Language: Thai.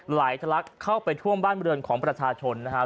หลายลักษณ์เข้าไปท่วมบ้านเมืองของประชาชนนะครับ